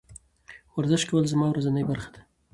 ورزش کول زما ورځنۍ برخه ده.